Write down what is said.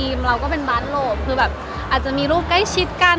เราก็เป็นบาร์ดโลปคือแบบอาจจะมีรูปใกล้ชิดกัน